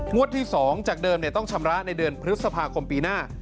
ที่๒จากเดิมต้องชำระในเดือนพฤษภาคมปีหน้า